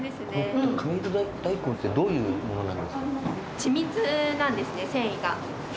亀戸大根ってどういうものなんですか？